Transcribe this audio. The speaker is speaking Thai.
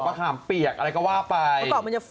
ขามเปียกอะไรก็ว่าไป